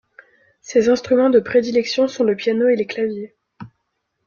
Ses instruments de prédilection sont le piano et les claviers.